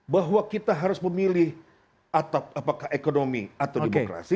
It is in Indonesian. bahwa kita harus memilih apakah ekonomi atau demokrasi